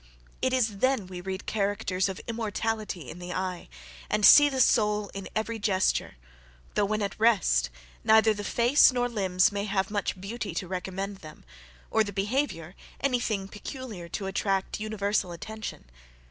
It is then we read characters of immortality in the eye, and see the soul in every gesture, though when at rest, neither the face nor limbs may have much beauty to recommend them; or the behaviour, any thing peculiar to attract universal attention.